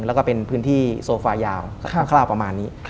แล้วก็เป็นพื้นที่โซฟายาวคร่าวประมาณนี้